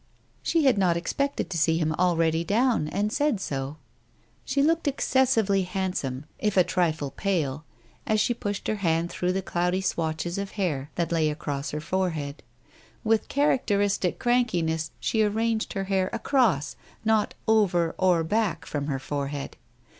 She had not expected to see him already down, and said so. She looked exces Digitized by Google THE TIGER SKIN 265 sively handsome, if a trifle pale, as she pushed her hand through the cloudy swathes of hair that lay across her forehead. With characteristic crankiness, she arranged her hair across, not over or back from her fofehead.